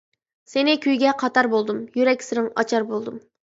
سىنى كۈيگە قاتار بولدۇم، يۈرەك سىرىڭ ئاچار بولدۇم.